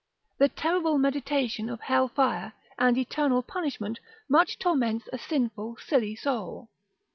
The terrible meditation of hell fire and eternal punishment much torments a sinful silly soul.